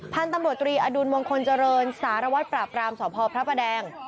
พันธุ์ตำรวจตรีอดุลมงคลเจริญสารวัตรปราบรามสพพระประแดง